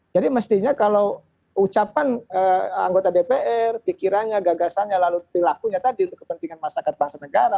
jadi mestinya kalau ucapan anggota dpr pikirannya gagasannya lalu perilakunya tadi untuk kepentingan masyarakat dan bangsa negara